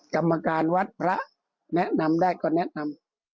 กรรมการวัดพระแนะนำได้ก็แนะนำ